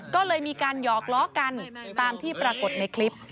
ก็เลยมีการหยอกล้อกันตามที่ปรากฏในคลิป